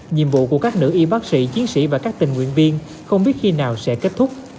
nhiệm vụ của các nữ y bác sĩ chiến sĩ và các tình nguyện viên không biết khi nào sẽ kết thúc